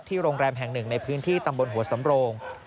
ที่โรงแรมแห่ง๑ในพื้นที่ตำบลหัวสำโรง